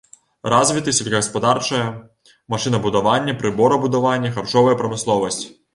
Развіты сельскагаспадарчае машынабудаванне, прыборабудаванне, харчовая прамысловасць.